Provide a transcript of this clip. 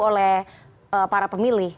oleh para pemilih